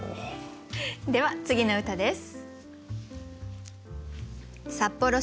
では次の歌です。